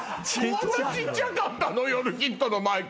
こんなちっちゃかったの⁉『夜ヒット』のマイク。